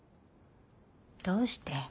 どうして？